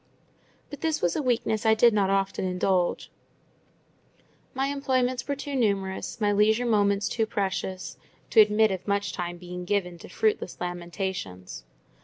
But this was a weakness I did not often indulge: my employments were too numerous, my leisure moments too precious, to admit of much time being given to fruitless lamentations.